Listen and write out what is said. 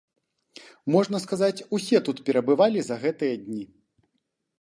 Можна сказаць, усе тут перабывалі за гэтыя дні.